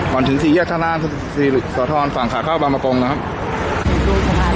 ก่อนถึงสี่ยากข้างหน้าสี่หลีกสอทรฝั่งขาเข้าบรรมกรงนะครับ